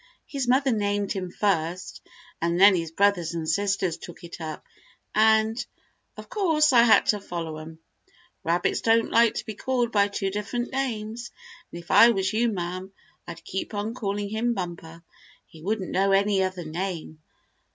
"His mother named him first, and then his brothers and sisters took it up, and, of course, I had to follow 'em. Rabbits don't like to be called by two different names, and if I was you, ma'm, I'd keep on calling him Bumper. He wouldn't know any other name."